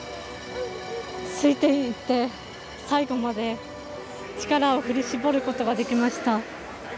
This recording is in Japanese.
ついていって最後まで力を振り絞ることができました。